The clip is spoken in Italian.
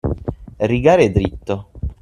Rigare dritto.